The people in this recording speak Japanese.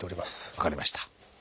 分かりました。